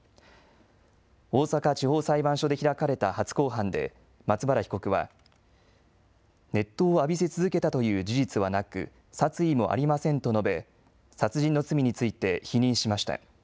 大阪地方裁判所で開かれた初公判で松原被告は熱湯を浴びせ続けたという事実はなく殺意もありませんと述べ殺人の罪について否認しました。